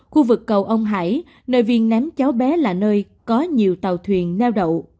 khu vực cầu ông hải nơi viên ném cháu bé là nơi có nhiều tàu thuyền neo đậu